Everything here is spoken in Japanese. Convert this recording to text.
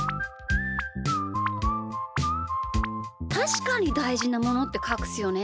たしかにだいじなものってかくすよね。